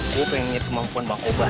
gue pengen ngeliat kemampuan bang kobar